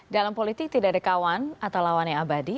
dalam politik tidak ada kawan atau lawan yang abadi